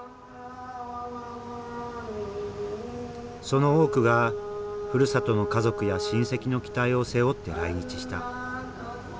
その多くがふるさとの家族や親戚の期待を背負って来日した。